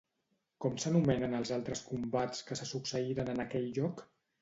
Com s'anomenen els altres combats que se succeïren en aquell lloc?